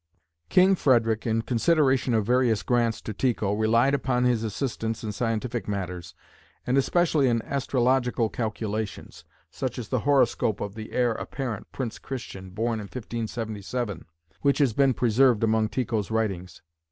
King Frederick, in consideration of various grants to Tycho, relied upon his assistance in scientific matters, and especially in astrological calculations; such as the horoscope of the heir apparent, Prince Christian, born in 1577, which has been preserved among Tycho's writings.